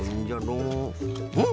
うん？